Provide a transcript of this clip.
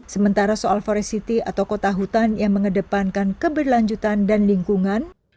sementara soal foresity atau kota hutan yang mengedepankan keberlanjutan dan lingkungan